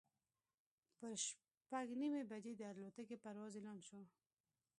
پر شپږ نیمې بجې د الوتکې پرواز اعلان شو.